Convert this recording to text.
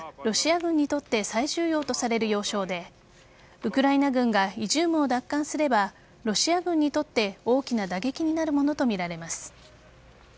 イジューム市はロシア軍にとって最終要とされる要衝でウクライナ軍がイジュームを奪還すればロシア軍にとって大きな打撃になるものとみられます。